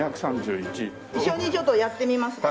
一緒にちょっとやってみますか？